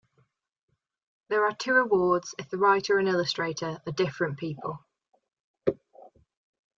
There are two awards if the writer and illustrator are different people.